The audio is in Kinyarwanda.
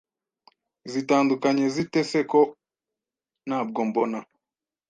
zitandukanye zite se ko ntabwo mbona